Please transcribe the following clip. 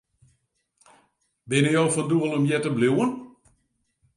Binne jo fan doel om hjir te bliuwen?